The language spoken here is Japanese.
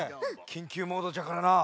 きんきゅうモードじゃからな。